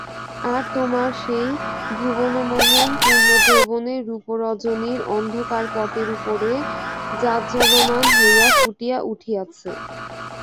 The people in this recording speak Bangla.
আর তোমার সেই ভুবনমোহন পূর্ণযৌবনের রূপ রজনীর অন্ধকারপটের উপরে জাজ্বল্যমান হইয়া ফুটিয়া উঠিয়াছে।